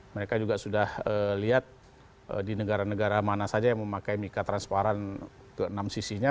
mereka juga sudah lihat di negara negara mana saja yang memakai mika transparan ke enam sisinya